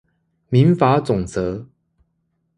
民法總則